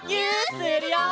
するよ！